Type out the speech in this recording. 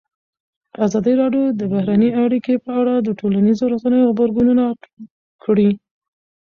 ازادي راډیو د بهرنۍ اړیکې په اړه د ټولنیزو رسنیو غبرګونونه راټول کړي.